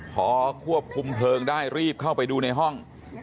พอควบคุมเพลิงได้รีบเข้าไปดูในห้อง